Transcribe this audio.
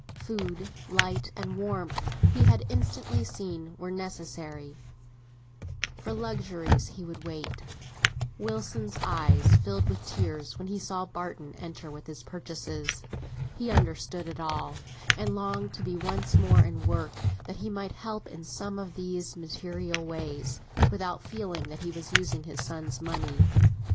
Food, light, and warmth, he had instantly seen were necessary; for luxuries he would wait. Wilson's eyes filled with tears when he saw Barton enter with his purchases. He understood it all, and longed to be once more in work, that he might help in some of these material ways, without feeling that he was using his son's money.